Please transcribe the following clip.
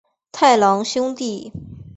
太郎兄弟。